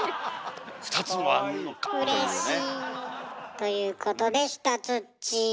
ということでしたつっちー。